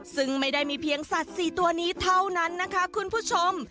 ซึ่งไม่ได้มีเพียงสัตว์๔ตัวนี้เท่านั้นนะคะคุณผู้ชม